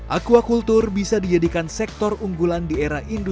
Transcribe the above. aquaculture bisa dijadikan sektor yang sangat berguna